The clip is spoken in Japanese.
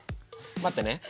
待ってね。